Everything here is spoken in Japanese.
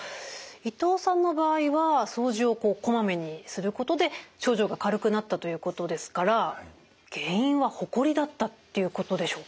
伊藤さんの場合は掃除をこまめにすることで症状が軽くなったということですから原因はホコリだったっていうことでしょうか？